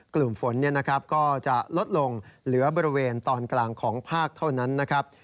กลุ่มฝนก็จะลดลงเหลือบริเวณตอนกลางของภาคเท่านั้นนะครับ